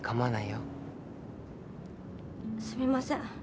すみません。